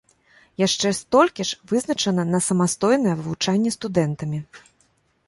Яшчэ столькі ж вызначана на самастойнае вывучэнне студэнтамі.